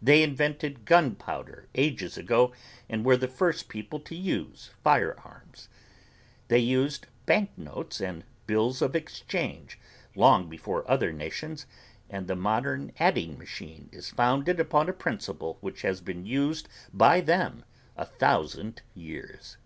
They invented gunpowder ages ago and were the first people to use firearms. They used banknotes and bills of exchange long before other nations, and the modern adding machine is founded upon a principle which has been used by them a thousand years.